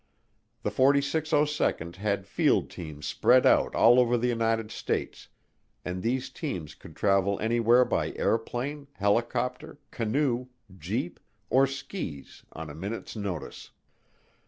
The 4602nd had field teams spread out all over the United States, and these teams could travel anywhere by airplane, helicopter, canoe, jeep, or skis on a minute's notice.